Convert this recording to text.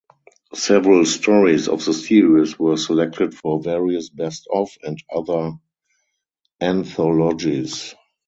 Several stories of the series were selected for various "Best of" and other anthologies.